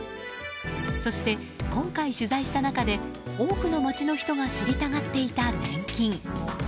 そして、今回取材した中で多くの街の人が知りたがっていた年金。